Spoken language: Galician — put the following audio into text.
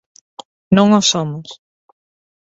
Non o somos.